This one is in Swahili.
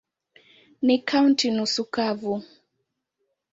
Ni kaunti nusu kavu.